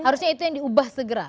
harusnya itu yang diubah segera